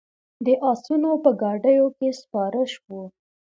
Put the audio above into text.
د آسونو په ګاډیو کې سپاره شوو.